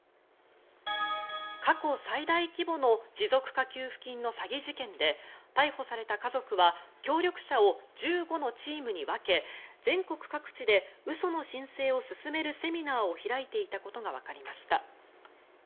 過去最大規模の持続化給付金の詐欺事件で逮捕された家族は協力者を１５のチームに分け全国各地で嘘の申請を勧めるセミナーを開いていたことがわかりました。